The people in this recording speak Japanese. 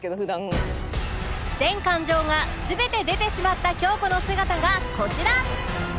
全感情が全て出てしまった京子の姿がこちら